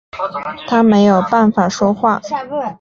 他没有办法说话